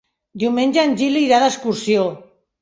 Diumenge en Gil irà d'excursió.